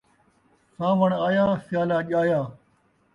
ساوݨ آیا ، سیالا ڄایا